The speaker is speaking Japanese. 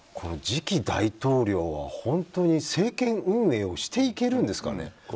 次期大統領は本当に政権運営をしていけるんですかね。